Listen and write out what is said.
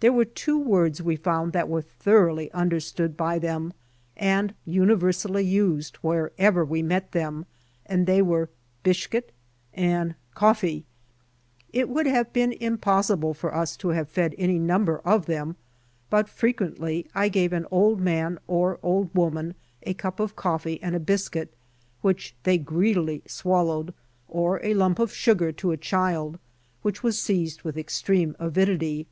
There were two words we found that were thoroughly understood by them, and universally used wherever we met them, and they were "Bishket" and "Coffee." It would have been impossible for us to have fed any number of them, but frequently I gave an old mjan or old woman a cup of coffee and a biscuit, which they greedily swallowed, or a lump of sugar to a child, which was seized with extreme avidity.